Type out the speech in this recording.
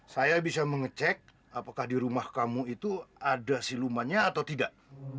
saya bisa mengecek apakah di rumah kamu itu ada silumannya atau tidak